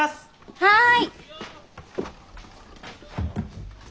はい。